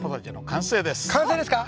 完成ですか？